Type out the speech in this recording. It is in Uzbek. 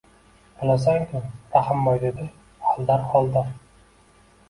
– Bilasan-ku, Rahimboy, – dedi Aldar Xoldor